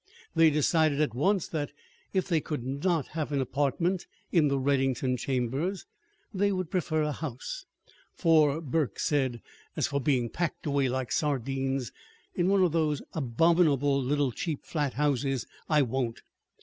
They decided at once that, if they could not have an apartment in the Reddington Chambers, they would prefer a house. "For," Burke said, "as for being packed away like sardines in one of those abominable little cheap flat houses, I won't!"